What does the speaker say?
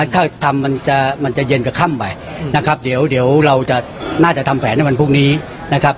ถ้าทำมันจะมันจะเย็นกับค่ำไปนะครับเดี๋ยวเราจะน่าจะทำแผนในวันพรุ่งนี้นะครับ